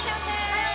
はい！